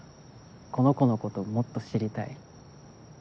この子のことをもっと知りたい。